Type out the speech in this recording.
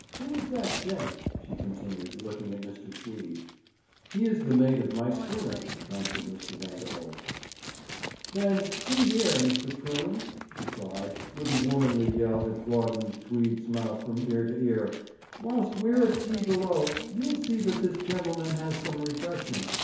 Who is that gent?' she continued, looking at Mr. Tweed. 'He is the mate of my schooner,' answered Mr. Vanderholt. 'Then, see here, Mr. Prunes,' she cried, with a womanly yell that broadened Tweed's mouth from ear to ear; 'whilst we're at tea below, you'll see that this gentleman has some refreshment.